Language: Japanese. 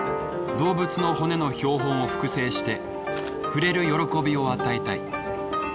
動物の骨の標本を複製して触れる喜びを与えたい。